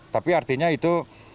tapi artinya itu